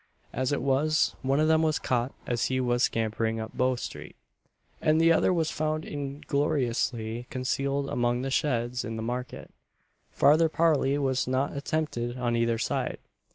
As it was, one of them was caught as he was scampering up Bow street, and the other was found ingloriously concealed among the sheds in the market. Farther parley was not attempted on either side.